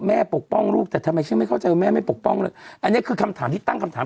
ปกป้องลูกแต่ทำไมฉันไม่เข้าใจแม่ไม่ปกป้องเลยอันนี้คือคำถามที่ตั้งคำถาม